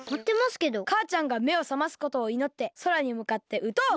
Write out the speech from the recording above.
かあちゃんがめをさますことをいのってそらにむかってうとう！